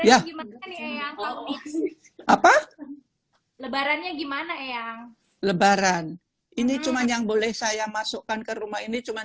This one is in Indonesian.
apa lebarannya gimana yang lebaran ini cuman yang boleh saya masukkan ke rumah ini cuman